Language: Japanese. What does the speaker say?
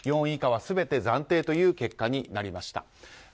４位以下は全て暫定という結果になりました。